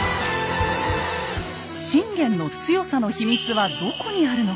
信玄の強さの秘密はどこにあるのか。